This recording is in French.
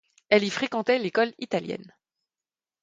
Elle y fréquentait l'école italienne.